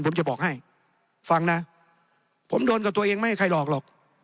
ผมจะบอกให้ฟังนะผมโดนกับตัวเองไม่ให้ใครหลอกหรอก